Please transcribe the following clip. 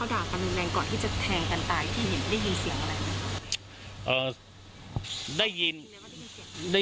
แล้วว่าทุกวันนี้เขาด่ากันรุนแรงก่อนที่จะแทงกันตาย